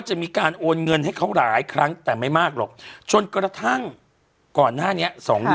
หาแหล่งให้